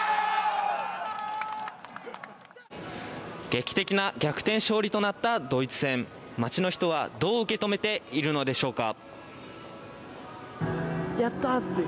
劇的な逆転勝利となったドイツ戦街の人は、どう受け止めているのでしょうか。